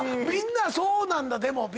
みんなそうなんだ。